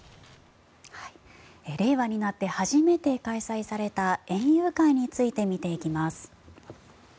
令和になって初めて開催された園遊会について見ていきます。